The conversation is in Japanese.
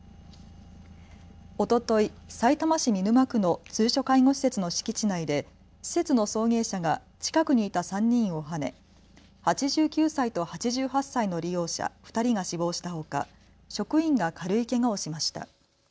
おととい、さいたま市見沼区の通所介護施設の敷地内で施設の送迎車が近くにいた３人をはね８９歳と８８歳の利用者２人が死亡したほか職員が軽いけがをしました。